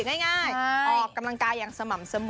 ง่ายออกกำลังกายอย่างสม่ำเสมอ